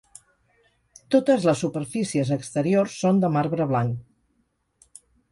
Totes les superfícies exteriors són de marbre blanc.